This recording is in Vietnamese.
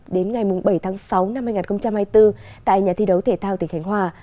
đến ngày bảy tháng sáu năm hai nghìn hai mươi bốn tại nhà thi đấu thể thao tỉnh khánh hòa